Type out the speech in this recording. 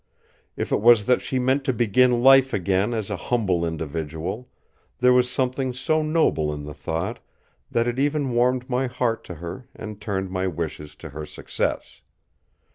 If it was that she meant to begin life again as a humble individual, there was something so noble in the thought that it even warmed my heart to her and turned my wishes to her success.